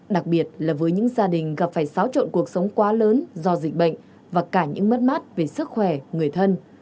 đặc biệt là với những gia đình gặp phải xáo trộn cuộc sống quá lớn do dịch bệnh và cả những mất mát về sức khỏe người thân